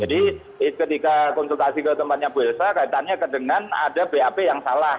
jadi ketika konsultasi ke tempatnya bu elsa kaitannya dengan ada bap yang salah